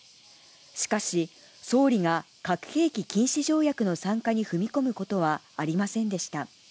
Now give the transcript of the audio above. しかし、総理が核兵器禁止条約の参加に踏み込むことはありませんでした。